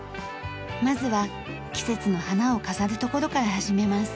まずは季節の花を飾るところから始めます。